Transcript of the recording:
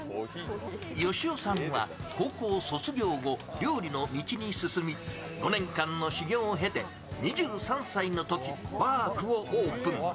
克夫さんは高校卒業後、料理の道に進み５年間の修業を経て、２３歳のときばーくをオープン。